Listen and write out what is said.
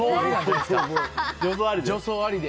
助走ありで。